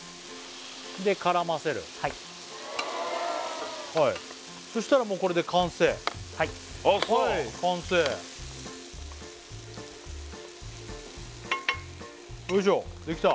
で絡ませるそうしたらもうこれで完成はいああそう完成よいしょできた！